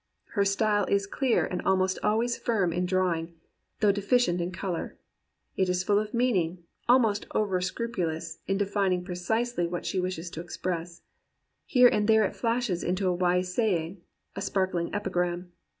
Her style is clear and almost always firm in drawing, though deficient in colour. It is full of meaning, almost over scrupulous in defining pre cisely what she wishes to express. Here and there it flashes into a wise saying, a sparkling epigram.